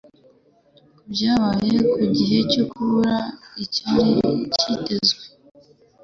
ku byabaye ku gihe cyo kubura icyari cyitezwe